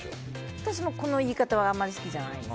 私もこの言い方はあんまり好きじゃないです。